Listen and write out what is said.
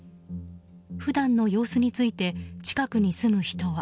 普段の様子について近くに住む人は。